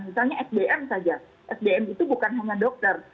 misalnya sdm saja sdm itu bukan hanya dokter